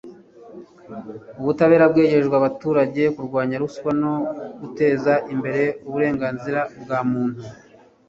ubutabera bwegerejwe abaturage, kurwanya ruswa no guteza imbere uburenganzira bwa muntu